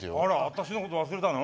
私のこと忘れたの？